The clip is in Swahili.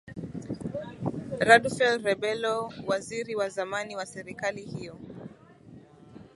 radufel rebelo waziri wa zamani wa serikali hiyo